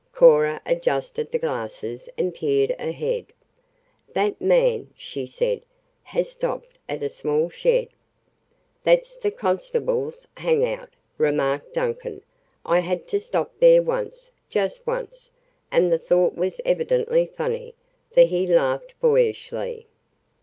Cora adjusted the glasses and peered ahead. "That man," she said, "has stopped at a small shed " "That's the constable's hang out," remarked Duncan. "I had to stop there once just once," and the thought was evidently funny, for he laughed boyishly.